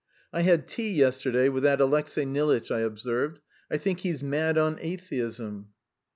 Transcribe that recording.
"I had tea yesterday with that Alexey Nilitch," I observed. "I think he's mad on atheism."